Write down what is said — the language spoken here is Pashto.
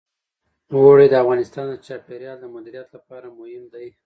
اوړي د افغانستان د چاپیریال د مدیریت لپاره مهم دي.